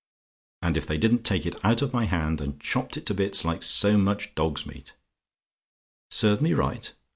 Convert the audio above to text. And if they didn't take it out of my hand, and chopped it to bits like so much dog's meat. "SERVED ME RIGHT?